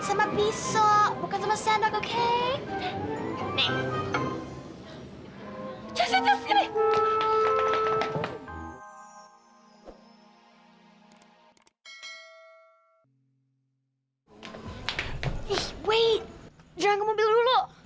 eh tunggu jangan ke mobil dulu